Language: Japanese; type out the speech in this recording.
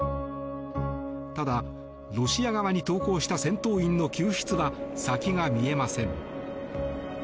ただ、ロシア側に投降した戦闘員の救出は先が見えません。